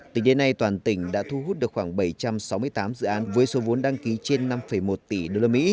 tính đến nay toàn tỉnh đã thu hút được khoảng bảy trăm sáu mươi tám dự án với số vốn đăng ký trên năm một tỷ usd